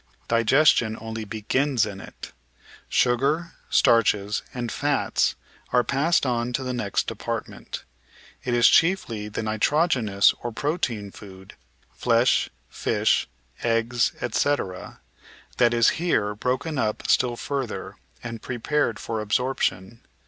Digestion only begins in it. Sugar, starches, and fats are passed on to the next department. It is chiefly the nitrogenous or protein food — flesh, flsh, eggs, etc. — that is here broken up still further and prepared for absorption.